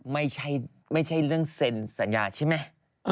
ไม่ใช่เรื่องเซ็นสัญญาใช่ไหม